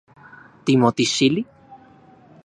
¿Timotixili?